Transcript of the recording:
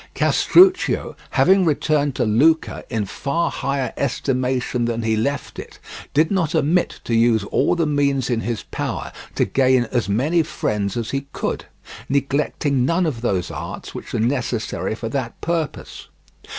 Castruccio, having returned to Lucca in far higher estimation than he left it, did not omit to use all the means in his power to gain as many friends as he could, neglecting none of those arts which are necessary for that purpose.